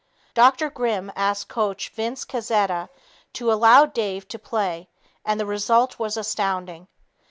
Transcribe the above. Dr. Grimm asked coach Vince Cazzeta to allow Dave to play and the result was astounding.